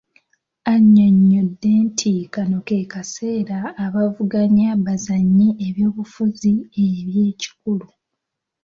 Annyonnyodde nti kano ke kaseera abaavuganya bazannye ebyobufuzi eby'ekikulu